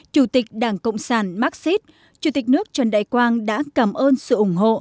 chủ tịch đảng cộng sản marxist chủ tịch nước trần đại quang đã cảm ơn sự ủng hộ